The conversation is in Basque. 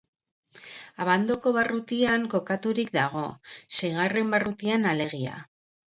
Abandoko barrutian kokaturik dago, seigarren barrutian alegia.